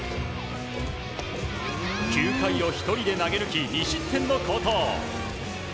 ９回を１人で投げ抜き２失点の好投。